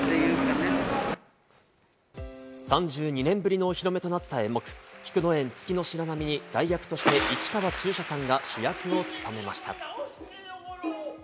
３２年ぶりのお披露目となった演目『菊宴月白浪』に代役として市川中車さんが代役として主役を務めました。